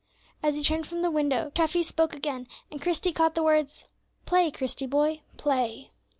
As he turned from the window, Treffy spoke again, and Christie caught the words, "Play, Christie, boy, play."